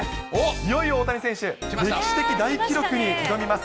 いよいよ大谷翔平選手、歴史的大記録に挑みます。